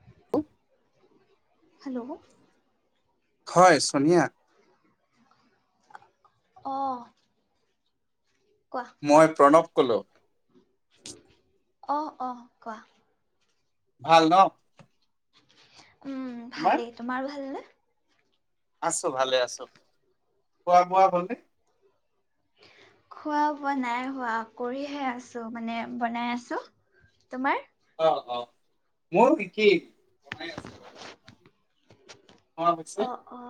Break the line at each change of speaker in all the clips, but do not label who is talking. [inaudible]
Hello!
হয়, চনিয়া।
অ'।
মই প্ৰণৱ। কলোঁ।
অ', অ', কোৱা।
ভাল ন?
ভালেই তোমাৰো ভালনে।
আছোঁ ভালে আছোঁ খোৱা-বোৱা হল নে?
খোৱা-বোৱা নাই হোৱা কৰিহে আছোঁ মানে বনাই আছোঁ তোমাৰ?
অ মোৰ কি কি বনাই আছোঁ বাৰু। আজি বনোৱা হৈছে
অ অ।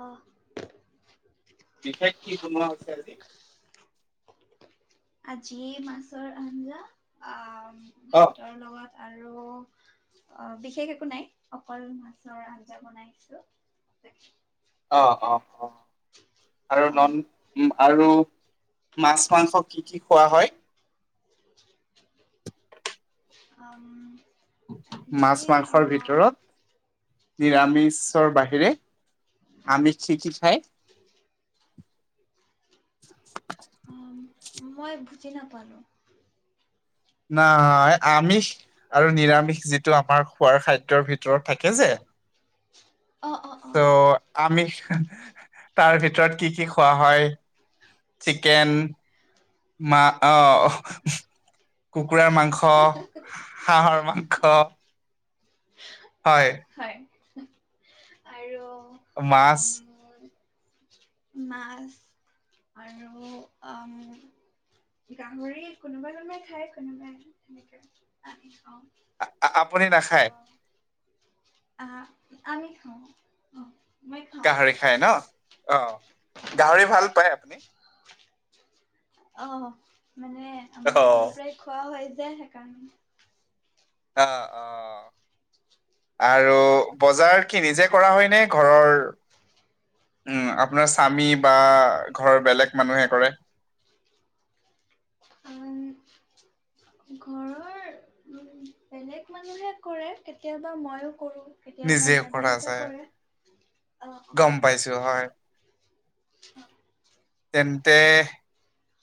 বিশেষ কি বনোৱা হৈছে আজি?
আজি মাছৰ আঞ্জা অ। উম
অ
ভাতৰ লগত। আৰু অ বিশেষ একো নাই অকল মাছৰ আঞ্জা বনাইছোঁ।
অ অ অ। আৰু
অহ
নন আৰু মাছ-মাংস কি কি। খোৱা হয়।
[inaudible] অ অ।
মাছ-মাংসৰ ভিতৰত? নিৰামিষৰ বাহিৰে আমিষ আমি কি কি খায়। [inaudible]
উম মই বুজি নাপালোঁ।
নাই আমিষ আৰু নিৰামিষ যিটো আমাৰ খোৱাৰ খাদ্যৰ ভিতৰত থাকে যে।
অ অ অ
ত আমি। তাৰ ভিতৰত কি কি খোৱা হয়? চিকেন। মা অ। কুকুৰাৰ মাংস হাঁহৰ মাংস।
হয়। আৰু।
মাছ
আম। [unintelligible] মাছ আৰু উম গাহৰি কোনোবাই কোনোবাই খাই কোনোবাই সেনেকে আমি খাওঁ।
আ, আ। আপুনি
আৰু
নাখায়?
আহ, আমি খাওঁ, অ'। মই খাওঁ
গাহৰি খাই নহ অ', গাহৰি ভাল পায়, আপুনি?
অহ। মানে, আমাৰ
অ'
সৰুৰ পৰাই খোৱা হয়। যে, সেইকাৰণে।
আ, অ'। আৰু বজাৰ। কি, নিজে কৰা হয় নে? ঘৰৰ, উ'ম, আপোনাৰ স্বামী বা ঘৰৰ বেলেগ মানুহে কৰে?
উ'ম। ঘৰৰ, উ'ম, বেলেগ মানুহে কৰে। কেতিয়াবা, মইওঁ কৰোঁ। কেতিয়াবা
নিজে কৰা
দাদাহঁতে
যায়।
কৰে। অ',
গম
অ'।
পাইছো হয়। তেন্তে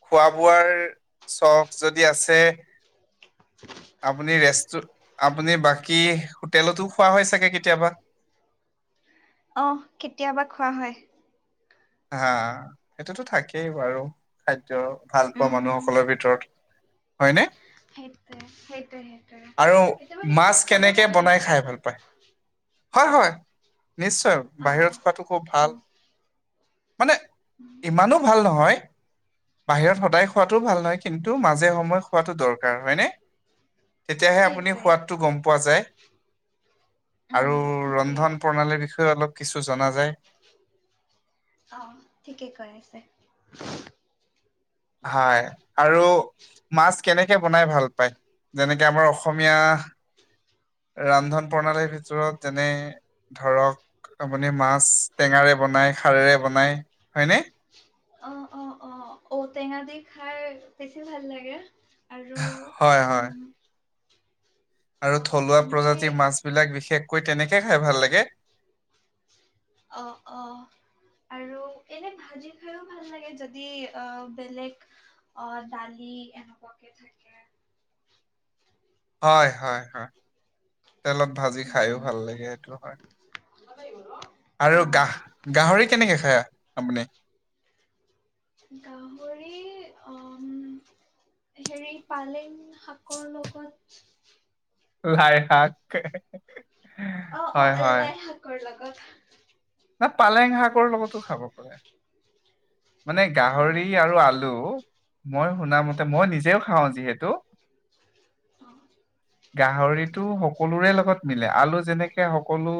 খোৱা-বোৱাৰ চখ যদি আছে আপুনি ৰেষ্টু আপুনি, বাকী, হোটেলতো খোৱা হয়, চাগে, কেতিয়াবা।
অ'হ, কেতিয়াবা খোৱা হয়।
হা, সেইটোতো থাকেই বাৰু, খাদ্য ভাল পোৱা
উম
মানুহসকলৰ ভিতৰত, হয়নে?
সেইটোৱেই, সেইটোৱেই, সেইটোৱেই।
আৰু মাছ
কেতিয়াবা-কেতিয়াবা খাব
কেনেকে
লাগে, বাহিৰতো
হয়-হয়। নিশ্চয়,
অ
বাহিৰত খোৱাটো খুব
অ
ভাল মানে ইমানো ভাল নহয় বাহিৰত সদায় খোৱাটোও ভাল নহয়। কিন্তু, মাজে-সময়ে খোৱাটো দৰকাৰ, হয়নে? তেতিয়াহে আপুনি
সেইটোৱে
সোৱাদটো গম পোৱা যায়।
উম
আৰু,
ঠিকে
ৰন্ধন-প্ৰণালীৰ বিষয়ে অলপ কিছু জানা যায়
অ', ঠিকেই কৈ আছে।
হয়। আৰু মাছ কেনেকে বনাই ভাল পায়? যেনেকে, আমাৰ অসমীয়া ৰান্ধন-প্ৰণালীৰ ভিতৰত, যেনে ধৰক, আপুনি মাছ টেঙাৰে বনায়, খাৰেৰে বনায়, হয়নে?
অ', অ', অ'। ঔ-টেঙা দি খাই, বেছি ভাল লাগে। আৰু
হয়-হয়।
উম
আৰু,
অ
থলুৱা
এনেই
প্ৰজাতিৰ মাছবিলাক, বিশেষকৈ, তেনেকৈ খাই ভাল লাগে।
অ', অ'। আৰু, এনে ভাজি খাইও ভাল লাগে। যদি, আ, বেলেগ, আ, দালি এনেকুৱাকে থাকে।
হয়, হয়, হয়। তেলত ভাজি
উম,
খায়ো
উম,
ভাল লাগে। সেইটো হয়।
[unintelligible]
আৰু,
অ
গাহ, গাহৰি কেনেকৈ খাই? আপুনি?
গাহৰি উম, হেৰি পালেং শাকৰ লগত
লাই শাক।
অ, অ,
হয় হয়
লাই শাকৰ লগত [unintelligible]
পালেং শাকৰ লগতো খাব পাৰে। মানে
অ
গাহৰি আৰু আলু। মই শুনা মতে, মই নিজেও খাওঁ যিহেত [unintelligible]
অ।
গাহৰিতো সকলোৰে লগত মিলে, আলু যেনেকে সকলো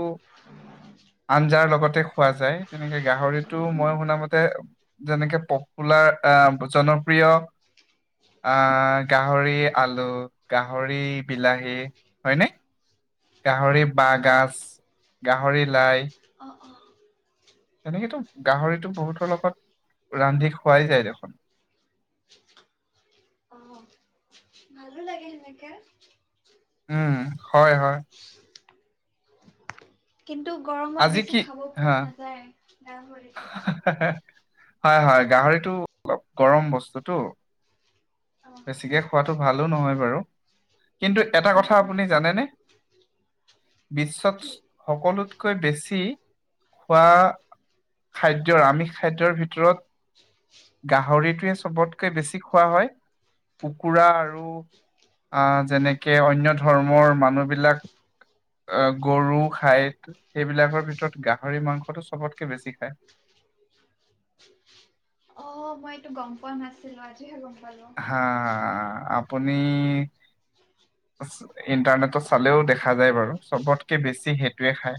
আঞ্জাৰ লগত তে খোৱা যায়। তেনেকে গাহৰিতটো
উম
মই শুনা মতে যেনেকে পপুলাৰ আ' জনপ্ৰিয়, আ' গাহৰি আলু, গাহৰি বিলাহী হয়নে। গাহৰি বাঁহ
অ',
গাজ, গাহৰি লাই।
অ',
তেনেকেতো গাহৰিটো বহুতৰ লগত, ৰান্ধি খোৱাই যায় দেখোন।
অ, ভালো লাগে সেনেকে।
উম, হয় হয়।
কিন্তু গৰমত
আজি
বেছি
কি
খাব পৰা
হা
নাযায়। গাহৰিটো।
হয় হয় গাহৰিটো অলপ গৰম বস্তুটো।
অ'।
বেছিকে খোৱাটো ভালো নহয় বাৰু। কিন্তু এটা
উম,
কথা
উম,
আপুনি জানেনে? বিশ্বত
কি
সকলোতকৈ বেছি খোৱা, খাদ্যৰ আমি খাদ্যৰ ভিতৰত গাহৰিটোৱেই চবতকে বেছি খোৱা হয়, কুকুৰা আৰু আ'যেনেকে অন্য ধৰ্মৰ মানুহবিলাক অ, গৰু খাই সেইবিলাকৰ ভিতৰত গাহৰি মাংসটো চবতকে বেছি খায়।
অ, মই এইটো গম পোৱা নাছিলো আজিহে গম পালোঁ।
হা আপ আপুনি ইন্টাৰনেটত চালেও দেখা দেখা যায় বাৰু, চবতকে বেছি সে সেইটোৱেই খায়।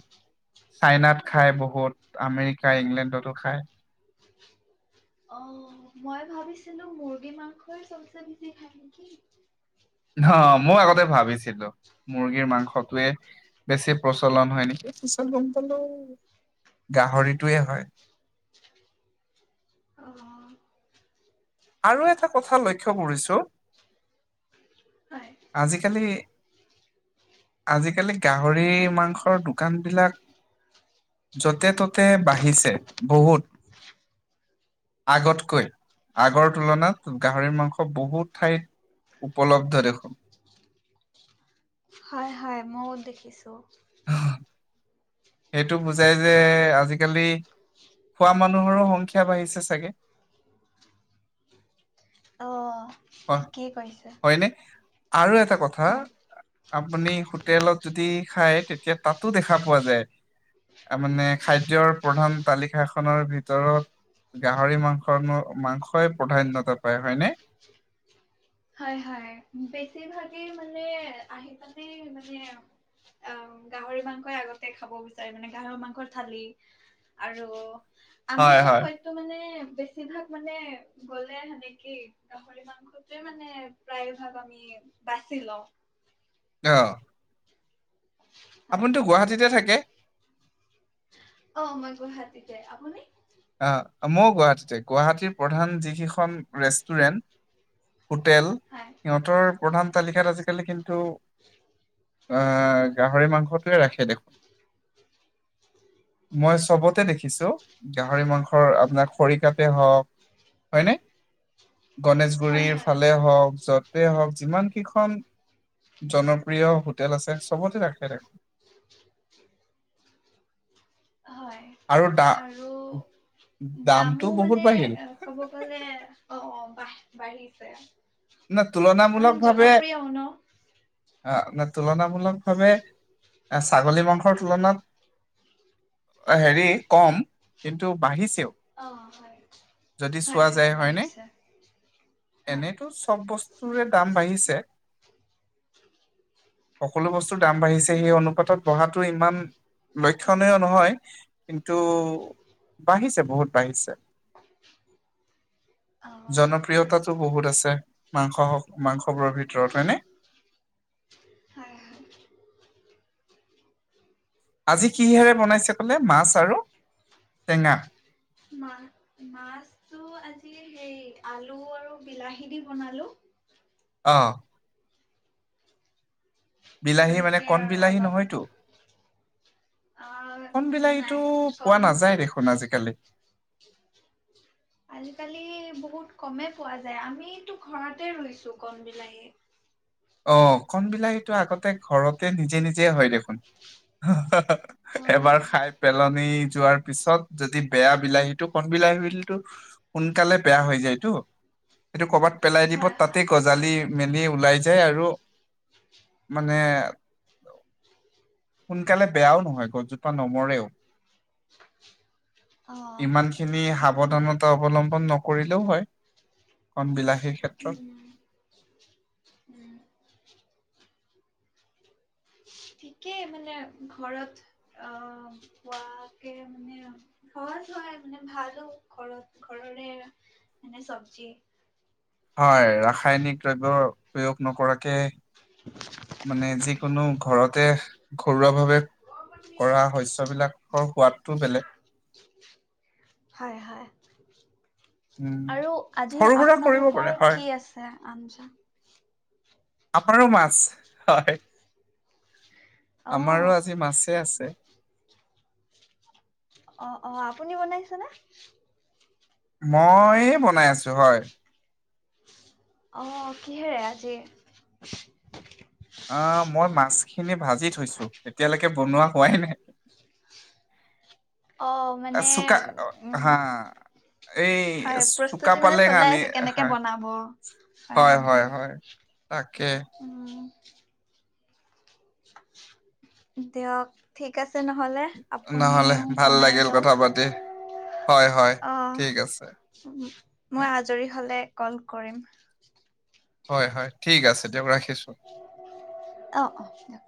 চাইনাত খাই বহুত, আমেৰিকা, ইংলেণ্ডতো খায়।
অ, মই ভাবিছিলো মুৰ্গী মাংসই চবচে বেছি খায় নেকি।
অ, মই আগতে ভাবিছিলো মুৰ্গীৰ মাংসটোৱে বেছি প্ৰচলন হয় নেকি পিছত গম পালো, গাহৰিটোৱে হয়।
অ'।
আৰু এটা কথা লক্ষ্য কৰিছোঁ।
হয়।
আজিকালি, আজিকালি গাহৰি মাংসৰ দু দোকান বিলাক য'তে ত'তে বাঢ়িছে বহুত আগতকৈ আগৰ তুলনাত গাহৰি মাংস বহুত ঠাইত উপলব্ধ দেখো।
হয় হয় ময়ও দেখিছো।
সেইটো বুজাই যে আজিকালি খোৱা মানুহৰো সংখ্যা বাঢ়িছে চাগে।
অ'।
হয়
ঠিকেই কৈছে।
হয়নে আৰু এটা কথা,
হয়।
আপুনি হোটেলত যদি খাই তেতিয়া তাতো দেখা পোৱা যায় মানে খাদ্যৰ প্ৰধান তালিকাখনৰ ভিতৰত গাহৰি মাংস মাংসই প্ৰধান্যতা পায় হয়নে?
হয় হয় বেছিভাগে মানে আহি পালে মানে অ গাহৰি মাংসই আগতে খাব বিচাৰে মানে গাহৰি মাংসৰ থালি আৰু
হয়
আমিও
হয়
হয়তো মানে বেছিভাগ মানে গ'লে সেনে কি গাহৰি মাংসটয়ে মানে মানে প্ৰায় ভাগ আমি বাচি লওঁ
অ
হয়
আপুনিতো গুৱাহাটীতে থাকে
অ মই গুৱাহাটীতে আপুনি
মই গুৱাহাটীতে গুৱাহাটীৰ প্ৰধান যিকেইখন ৰেষ্টুৰেণ্ট হোটেল
হয়
সিহঁতৰ প্ৰধান
হয়
তালিকাত আজিকালি কিন্তু আহ গাহৰি মাংসটোৱে ৰাখে দেখোন মই চবতে দেখিছো গাহৰি মাংসৰ আপোনাৰ খৰিকাপে হওক হয় ন
হয়
গণেশগুৰিৰ
হয়
ফালে হওক য'ত হওক যিমান কেইখন জনপ্ৰিয় হোটেল আছে চবতে ৰাখে দেখোন
হয়
আৰু দা
আৰু
দামটো
দামো
বহুত
মানে
বাঢ়িল
ক'ব গ'লে অ বা বাঢ়িছে
ন
কাৰণ
তুলনামূলক ভাৱে
জনপ্ৰিয়ও ন
অ নে তুলনামূলক হব [unintelligible] ছাগলী মাংসৰ তুলনাত হেৰি কম কিন্তু বাঢ়িছে
অ হয় হয়
চোৱা
হয়
যায় হয়নে
বাঢ়িছে হয়
এনেতো চব বস্তুৰে দাম বাঢ়িছে সকলো বস্তু দাম বাঢ়িছে সেই
উম
অনুপাতত বঢ়াটো ইমান ল্যক্ষণীয় নহয় কিন্তু বাঢ়িছে বহুত বাঢ়িছে
অ
জনপ্ৰিয়তাটো বহুত আছে মাংস হওক মাংস খবৰৰ ভিতৰত হয়নে
হয় হয়
আজি কিহেৰে বনাইছে কলে মাছ আৰু টেঙা
হেই আলু আৰু বিলাহী দি বনালো
অ বিলাহী মানে
তেনেকে
কণ
আৰু
বিলাহী নহয়তো
অলপ
কণ
আহ
বিলাহীটো
নাই
পোৱা
চন
নাযায় দেখোন আজিকালি
আজিকালি ব বহুত কমে পোৱা যায় আমিতো ঘৰতে ৰুইছো কম বিলাহী
অ কন বিলাহীটো আগতে ঘৰতে নিজে নিজে হয় দেখোন
অ
এবাৰ খাই পেলনি যোৱাৰ পিছত যদি বেয়া বিলাহীতটো কন বিলাহী বিলো সোনকালে বেয়া হৈ যায়তো সেইটো কৰ'বাত পেলাই দিব
হয়
তাতে
হয়
গজালি মেনি ওলাইছে সেই আৰু মানে সোনকালে বেয়াও নহয় গছ জোপা নমৰেও।
অ
ইমান খিনি
সেইটো হয়
সাৱধানতা অৱলম্বন নকৰিলে। হয় কণ বিলাহ। সেই ক্ষেত্ৰত
উম উ ঠিকেই মানে ঘৰত অহ খোৱাকে মানে সহজ হয় মানে ভালো ঘৰত ঘৰৰে মানে চব্জি।
হয় ৰাসায়নিক দ্ৰব্য প্ৰয়োগ নকৰাক কে মানে যিকোনো ঘৰতে ঘৰুৱা ভাৱে কৰা শস্যবিলাকৰ সোৱাদটো বেলেগ।
হয়
উম
[inaudible] আৰু আজি
সৰু সুৰা কৰিব পাৰে
আপোনালোকৰ
হয়
কি আছে? আঞ্জা,
আপাৰৰ মাছ হয়।
অ
আমাৰো আজি মাছে আছে।
অ-অ আপুনি বনাইছেনে?
মই বনাই আছো হয়।
অহ কিহেৰে আজি?
আহ মই মাছখিনি ভাজি থৈছো এতিয়ালৈকে বনোৱা হোৱাই নাই।
অ মানে
চুকা
উ
হা এই
হয়
চুকা
প্ৰস্তুতি মানে
পালেং
চলাই
আনি
আছে কেনেকে
হয়
বনাব
হয় হয়
হয়-হয়-হয়,
হয় তাকে
অহ দিয়ক ঠিক আছে। নহলে আপুনি
নহ'লে ভাল লাগিল
বনাইলক
কথা পাতি হয় হয়
অ
ঠিক আছে
মইজৰি হলে কল কৰিম
হয়-হয় ঠিক আছে দিয়ক ৰাখ
অ-অ দিয়া।